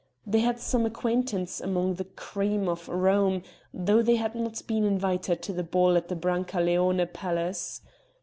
They had some acquaintance among the "cream" of Rome, though they had not been invited to the ball at the Brancaleone palace.